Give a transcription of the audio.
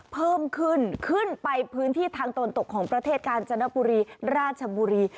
เพิ่มขึ้นขึ้นไปพื้นที่ทางตะวันตกของประเทศกาญจนบุรีราชบุรี